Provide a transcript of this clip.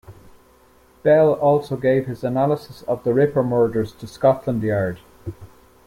Bell also gave his analysis of the Ripper murders to Scotland Yard.